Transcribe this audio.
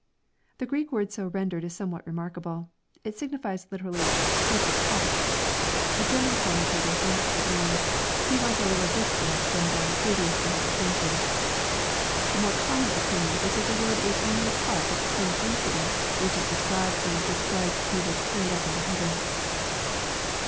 ] The Greek word so rendered is somewhat remarkable. It signifies literally, "stood apart." A German commentator thinks it means, " He went a little distance from them previous to His ascension." The more common opin ion is that the word is only a part of the same incident which is described when it says He was " carried up into heaven."